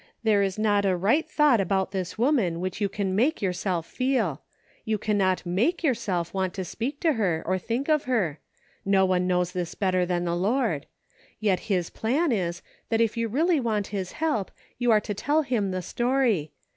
• There is not a right thought about this woman which you can make yourself feel ; you can not make yourself want to 90 " WILL YOU ?" speak to her or think of her ; no one knows this bet ter than the Lord ; yet his plan is, that if you really want his help, you are to tell him the story.